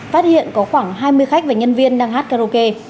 phát hiện có khoảng hai mươi khách và nhân viên đang hát karaoke